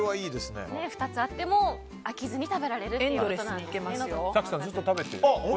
２つあっても飽きずに食べられるということなんですね。